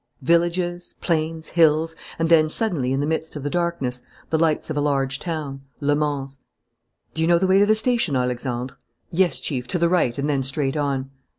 Villages, plains, hills; and then, suddenly in the midst of the darkness, the lights of a large town, Le Mans. "Do you know the way to the station, Alexandre?" "Yes, Chief, to the right and then straight on."